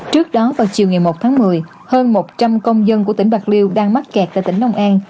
trước đó vào chiều ngày một tháng một mươi hơn một trăm linh công dân của tỉnh bạc liêu đang mắc kẹt tại tỉnh long an